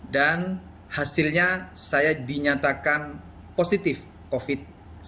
dan hasilnya saya dinyatakan positif covid sembilan belas